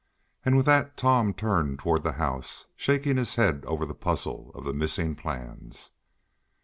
And with that Tom turned toward the house, shaking his head over the puzzle of the missing plans.